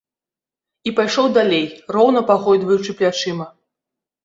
І пайшоў далей, роўна пагойдваючы плячыма.